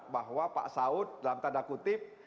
bahwa pak saud dalam tanda kutip